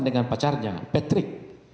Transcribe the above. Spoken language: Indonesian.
dengan pacarnya patrick